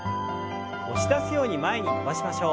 押し出すように前に伸ばしましょう。